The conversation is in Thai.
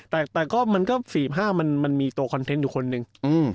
แต่ก็มันก็๔๕มันมีตัวคอนเทนต์อยู่คนหนึ่ง